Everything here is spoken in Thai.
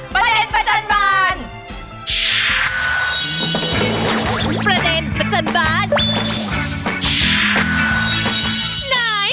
ประเด็นประจำบาน